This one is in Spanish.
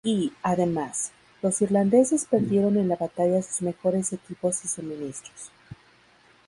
Y, además, los irlandeses perdieron en la batalla sus mejores equipos y suministros.